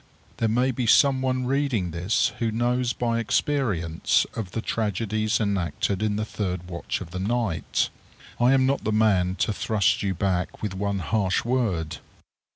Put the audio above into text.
There may be some one reading this who knows by experience of the tragedies enacted in the third watch of the night. I am not the man to thrust you back with one harsh word.